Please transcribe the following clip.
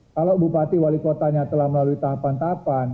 kalau bupati wali kotanya telah melalui tahapan tahapan